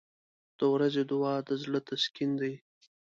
• د ورځې دعا د زړه تسکین دی.